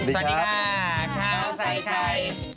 สวัสดีค่ะข้าวใส่ไข่